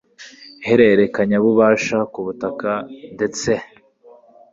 ihererekanyabubasha ku butaka ndetse